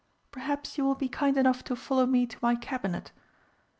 Perhaps you will be kind enough to follow me to my Cabinet?